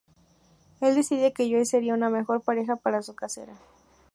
Él decide que Joe sería una mejor pareja para su casera.